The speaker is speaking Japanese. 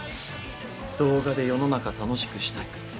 動画で世の中楽しくしたい。でしょ？